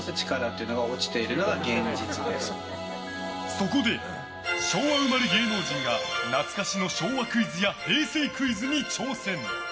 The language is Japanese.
そこで、昭和生まれ芸能人が懐かしの昭和クイズや平成クイズに挑戦。